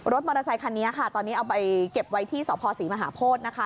มอเตอร์ไซคันนี้ค่ะตอนนี้เอาไปเก็บไว้ที่สภศรีมหาโพธินะคะ